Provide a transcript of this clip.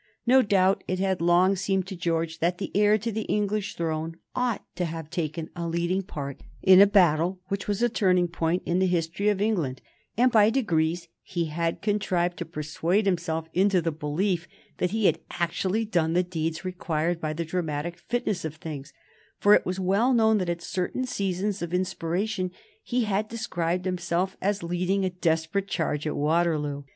No doubt it had long seemed to George that the heir to the English throne ought to have taken a leading part in a battle which was a turning point in the history of England, and by degrees he had contrived to persuade himself into the belief that he had actually done the deeds required by the dramatic fitness of things, for it was well known that, at certain seasons of inspiration, he had described himself as leading a desperate charge at Waterloo.